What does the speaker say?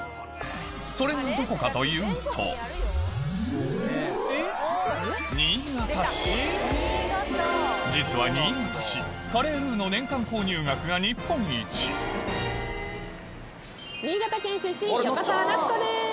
それがどこかというと実は新潟市カレールウの年間購入額が日本一新潟県出身横澤夏子です！